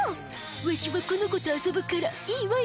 ワシはこの子と遊ぶからいいわい！